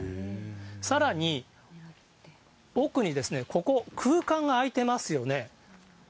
さらに、奥にここ、空間が空いてますよね。